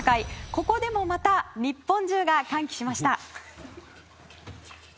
ここでもまた日本中が歓喜しました。